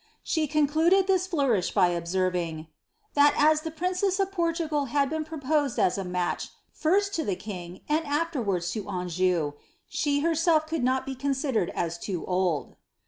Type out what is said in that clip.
Ihe concluded this flourish by observing, ^ that as the princess of Por l^pl' had been proposed as a match, first to the king, and afterwards to Anjou, she herself could not be considered as too old."